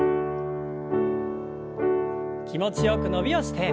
気持ちよく伸びをして。